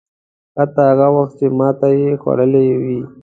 حتی هغه وخت چې ماته یې خوړلې وي.